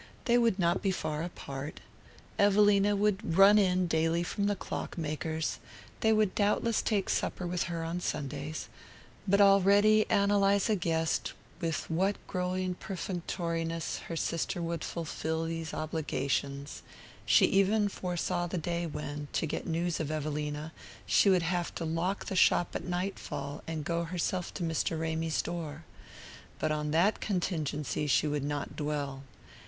They would not be far apart. Evelina would "run in" daily from the clock maker's; they would doubtless take supper with her on Sundays. But already Ann Eliza guessed with what growing perfunctoriness her sister would fulfill these obligations; she even foresaw the day when, to get news of Evelina, she should have to lock the shop at nightfall and go herself to Mr. Ramy's door. But on that contingency she would not dwell.